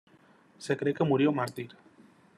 Se cree que murió mártir.